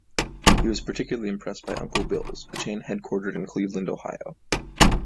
He was particularly impressed by Uncle Bill's, a chain headquartered in Cleveland, Ohio.